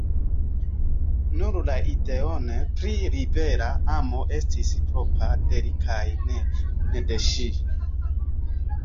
Nur la ideon pri libera amo estis propra de li kaj ne de ŝi.